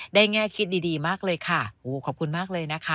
ได้แง่คิดดีมากเลยค่ะขอบคุณมากเลยนะคะ